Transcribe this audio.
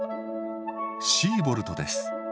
シーボルトです。